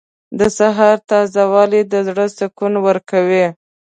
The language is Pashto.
• د سهار تازه والی د زړه سکون ورکوي.